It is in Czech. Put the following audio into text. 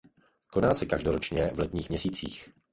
Koná se každoročně v letních měsících.